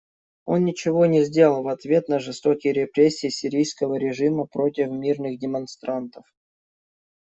Он ничего не сделал в ответ на жестокие репрессии сирийского режима против мирных демонстрантов.